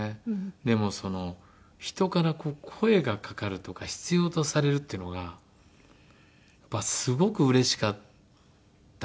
もう人から声がかかるとか必要とされるっていうのがやっぱすごくうれしかったんですよ。